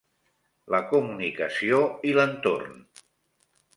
La comunicació i l'entorn